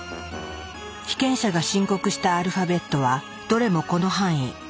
被験者が申告したアルファベットはどれもこの範囲。